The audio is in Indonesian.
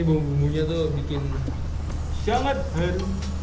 ini bumbunya tuh bikin sangat ber